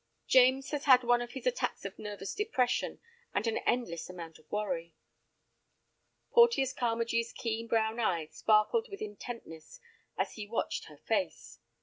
"James has had one of his attacks of nervous depression and an endless amount of worry." Porteus Carmagee's keen brown eyes sparkled with intentness as he watched her face.